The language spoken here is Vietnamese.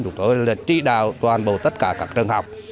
đi đào toàn bộ tất cả các trường học